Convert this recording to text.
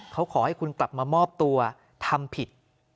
เขาขอให้คุณกลับมามอบตัวทำผิด